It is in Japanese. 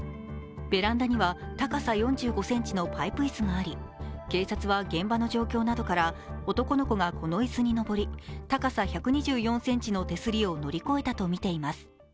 ベランダには高さ４５ｃｍのパイプ椅子があり警察は現場の状況などから男の子がこの椅子に上り高さ１２４ｃｍの手すりを乗り越えたとみています。